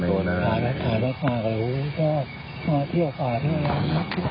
หน้าน้างถ่ายแล้วก็ขาดก็อดขาดเที่ยวฝ่ายทุกอย่าง